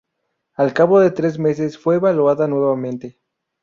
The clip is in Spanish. Al cabo de tres meses, fue evaluada nuevamente.